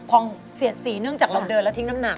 พองเสียดสีเนื่องจากเราเดินแล้วทิ้งน้ำหนัก